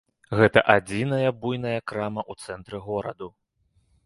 Гэта адзіная буйная крама ў цэнтры гораду.